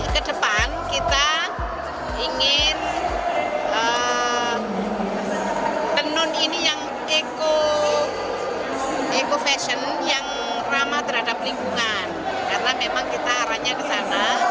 kedepan kita ingin tenun ini yang eco fashion yang ramah terhadap lingkungan